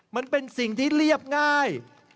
มันเป็นสิ่งที่เรียบง่าย